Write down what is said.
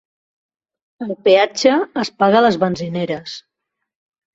El peatge es paga a les benzineres.